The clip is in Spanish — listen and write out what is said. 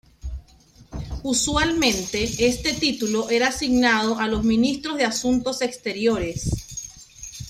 Usualmente, este título era asignado a los Ministros de Asuntos Exteriores.